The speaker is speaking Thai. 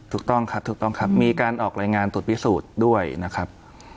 ถูกต้องครับถูกต้องครับมีการออกรายงานตรวจพิสูจน์ด้วยนะครับ